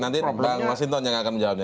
nanti bang masinton yang akan menjawabnya